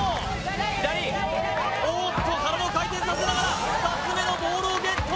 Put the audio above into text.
左おっと体を回転させながら２つ目のボールをゲット！